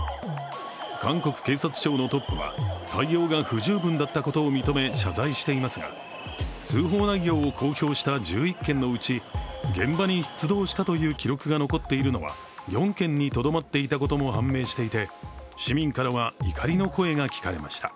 韓国警察庁のトップは対応が不十分だったことを認め謝罪していますが、通報内容を公表した１１件のうち現場に出動したという記録が残っているのは４件にとどまっていたことも判明していて市民からは怒りの声が聞かれました。